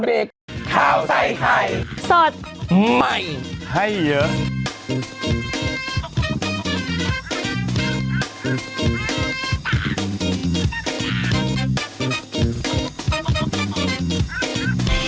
โปรดติดตามตอนต่อไป